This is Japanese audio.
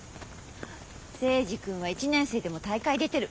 征二君は１年生でも大会出てる。